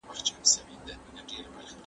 سختۍ ته مې د یوې ننګونې په سترګه وکتل.